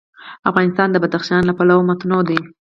افغانستان د بدخشان له پلوه متنوع دی.